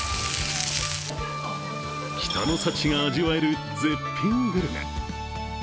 北の幸が味わえる絶品グルメ。